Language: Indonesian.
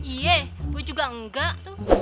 iya gue juga enggak tuh